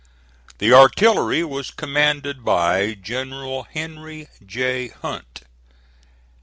The artillery was commanded by General Henry J. Hunt.